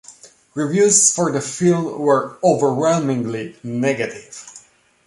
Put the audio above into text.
Reviews for the film were overwhelmingly negative.